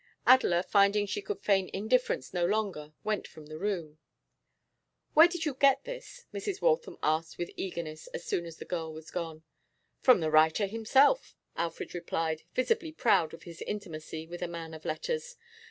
Adela, finding she could feign indifference no longer, went from the room. 'Where did you get this?' Mrs. Waltham asked with eagerness as soon as the girl was gone. 'From the writer himself,' Alfred replied, visibly proud of his intimacy with a man of letters.